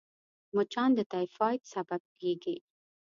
مچان د تيفايد سبب کېږي